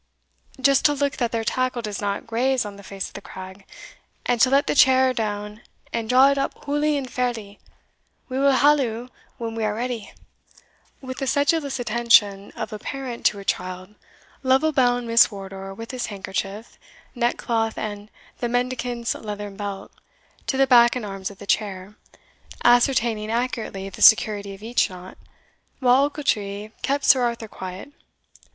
"Just to look that their tackle does not graze on the face o' the crag, and to let the chair down and draw it up hooly and fairly; we will halloo when we are ready." With the sedulous attention of a parent to a child, Lovel bound Miss Wardour with his handkerchief, neckcloth, and the mendicant's leathern belt, to the back and arms of the chair, ascertaining accurately the security of each knot, while Ochiltree kept Sir Arthur quiet.